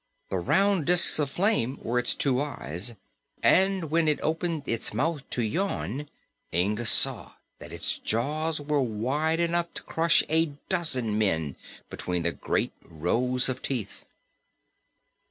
The round disks of flame were its two eyes and when it opened its mouth to yawn Inga saw that its jaws were wide enough to crush a dozen men between the great rows of teeth.